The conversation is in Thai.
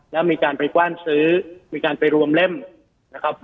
แล้วมีการไปกว้านซื้อมีการไปรวมเล่มนะครับ